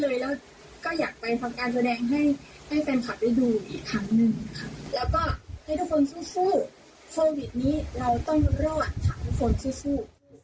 และก็ให้ทุกคนสู้เพราะวิธีนี้เราต้องรอดสุดมือขึ้น